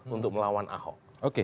untuk melawan ahok